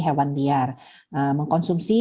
hewan liar mengkonsumsi